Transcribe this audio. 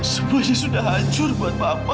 semuanya sudah hancur buat papa